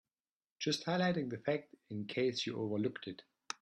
Just highlighting that fact in case you overlooked it.